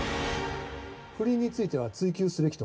不倫については追及すべきと？